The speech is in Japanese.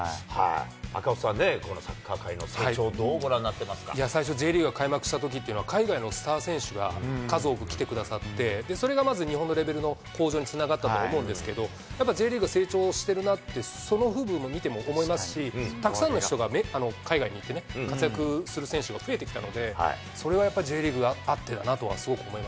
赤星さんね、このサッカー界の成長、どうご覧になっていますか。いや、最初、Ｊリーグが開幕したときっていうのは、海外のスター選手が数多く来てくださって、それがまず、日本のレベルの向上につながったと思うんですけど、やっぱＪリーグが成長してるなって、そのを見ても思いますし、たくさんの人がね、海外に行ってね、活躍する選手が増えてきたので、それがやっぱＪリーグがあっ